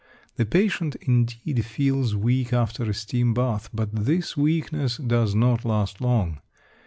The patient, indeed, feels weak after a steam bath, but this weakness does not last long.